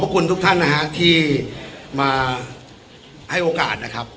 ขอบคุณทุกท่านนะครับ